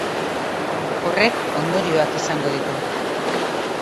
Horrek ondorioak izango ditu.